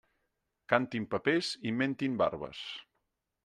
Cantin papers i mentin barbes.